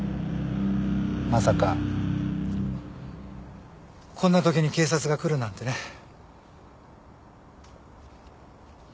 まさかこんな時に警察が来るなんてね。